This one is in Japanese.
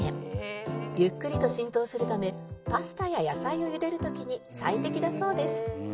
ゆっくりと浸透するためパスタや野菜をゆでる時に最適だそうです